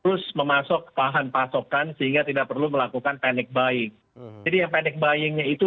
terus memasok bahan pasokan sehingga tidak perlu melakukan penik baik jadi yang pendek bayinya itu